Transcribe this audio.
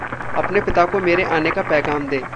अपने पिता को मेरे आने का पैग़ाम दें।